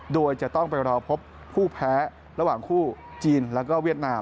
โดยจะต้องไปรอพบผู้แพ้ระหว่างคู่จีนแล้วก็เวียดนาม